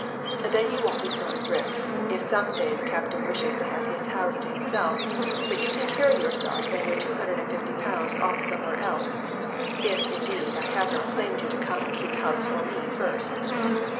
Then you won't be thrown adrift, if some day the captain wishes to have his house to himself, but you can carry yourself and your two hundred and fifty pounds off somewhere else; if, indeed, I have not claimed you to come and keep house for me first.